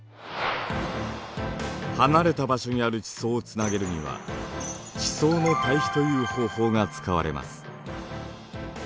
離れた場所にある地層をつなげるには地層の対比という方法が使われます。